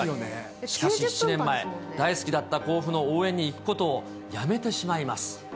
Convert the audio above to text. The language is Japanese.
７年前、大好きだった甲府の応援に行くことをやめてしまいます。